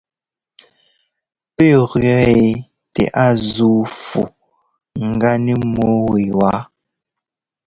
Pɛ́ gẅɛɛ wɛ tɛ a zúu fu ŋgá nɛ mɔ́ɔ wɛwá.